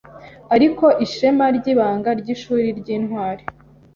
Ariko ishema ryibanga ryishuri ryintwari